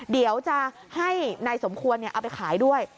เดี๋ยวจะให้นายสมควรเอาไปขายด้วย